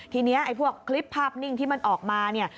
ทีนี้ไอ้พวกคลิปภาพนิ่งที่มันออกมาเนี่ย